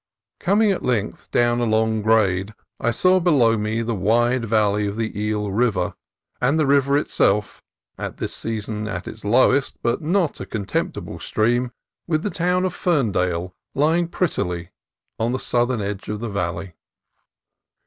Com ing at length down a long grade, I saw below me the wide valley of the Eel River, and the river itself (at this season at its lowest, but not a contemptible stream) with the town of Ferndale lying prettily on the southern edge of the valley.